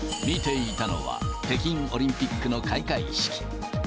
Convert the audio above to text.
見ていたのは、北京オリンピックの開会式。